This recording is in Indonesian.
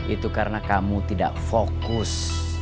itu karena kamu tidak fokus